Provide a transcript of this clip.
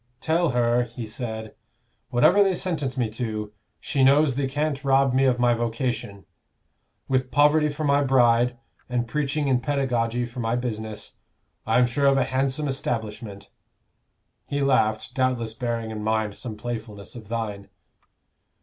'Tell her,' he said, 'whatever they sentence me to, she knows they can't rob me of my vocation. With poverty for my bride, and preaching and pedagoguy for my business, I am sure of a handsome establishment.' He laughed doubtless bearing in mind some playfulness of thine."